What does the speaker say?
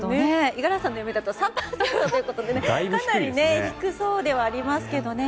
五十嵐さんの読みだと３％ということでかなり低そうではありますけどね。